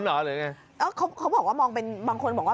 อ้าวดอมเห็นว่า๖